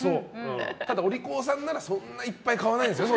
ただお利口さんはそんないっぱいは買わないです。